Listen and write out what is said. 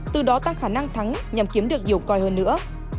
từ đó tăng khả năng thắng nhằm kiếm được nhiều coi hơn nữa